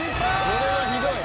これはひどい。